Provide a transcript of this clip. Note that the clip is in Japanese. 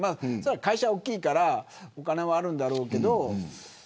会社が大きいからお金はあるんだろうけど。